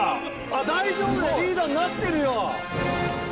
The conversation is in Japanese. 大丈夫だよリーダーになってるよ！